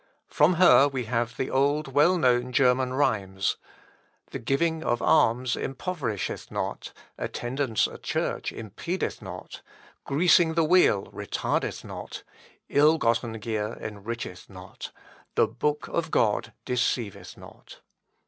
From her we have the old well known German rhymes The giving of alms impoverisheth not; Attendance at Church impedeth not; Greasing the wheel retardeth not; Ill gotten gear enricheth not; The Book of God deceiveth not.